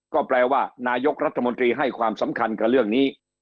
ก็แปลว่านายกรัฐมนตรีให้ความสำคัญกับเรื่องนี้